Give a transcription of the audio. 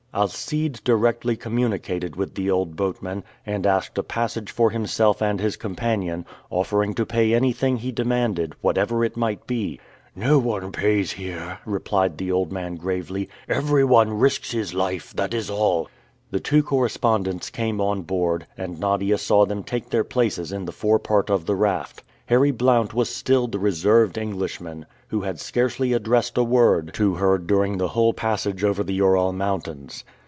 Alcide directly communicated with the old boatman, and asked a passage for himself and his companion, offering to pay anything he demanded, whatever it might be. "No one pays here," replied the old man gravely; "every one risks his life, that is all!" The two correspondents came on board, and Nadia saw them take their places in the forepart of the raft. Harry Blount was still the reserved Englishman, who had scarcely addressed a word to her during the whole passage over the Ural Mountains.